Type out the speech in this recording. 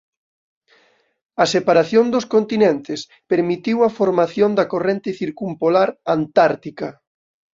A separación dos continentes permitiu a formación da corrente circumpolar antártica.